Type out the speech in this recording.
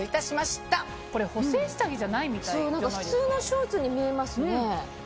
そう普通のショーツに見えますね。